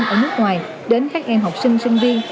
ở nước ngoài đến các em học sinh sinh viên